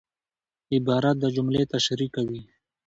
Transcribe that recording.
عبارت د جملې تشریح کوي.